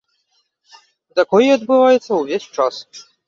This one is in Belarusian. І такое адбываецца ўвесь час.